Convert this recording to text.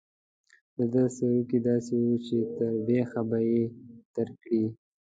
د ده سروکي داسې وو چې تر بېخه به یې درکړي.